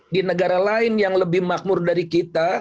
di negara lain yang lebih makmur dari kita